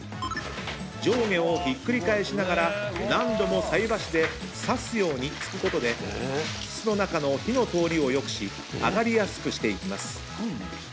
上下をひっくり返しながら何度も菜箸で刺すように突くことで筒の中の火の通りを良くし揚がりやすくしていきます。